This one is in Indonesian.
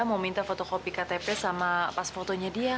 mau minta fotokopi ktp sama pas fotonya dia